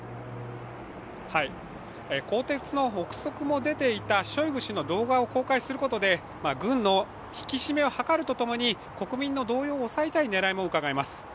更迭の臆測も出ていたショイグ氏の動画を出すことで軍の引き締めを図るとともに国民の動揺を抑えたい狙いもうかがえます。